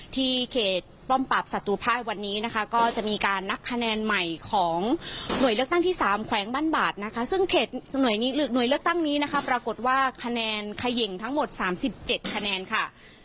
เขตป้อมปราบศัตรูภายวันนี้นะคะก็จะมีการนับคะแนนใหม่ของหน่วยเลือกตั้งที่๓แขวงบ้านบาดนะคะซึ่งเขตหน่วยเลือกตั้งนี้นะคะปรากฏว่าคะแนนเขย่งทั้งหมด๓๗คะแนนค่ะ